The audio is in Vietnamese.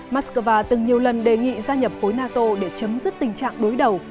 mắc cơ va từng nhiều lần đề nghị gia nhập khối nato để chấm dứt tình trạng đối đầu